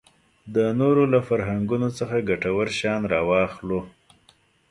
د نورو له فرهنګونو څخه ګټور شیان راواخلو.